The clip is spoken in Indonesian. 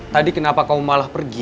tadi kenapa kau malah pergi